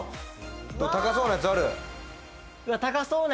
高そうなやつある？